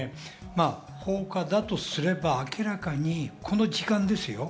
放火だとすれば、明らかにこの時間ですよ。